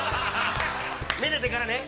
◆めでてからね。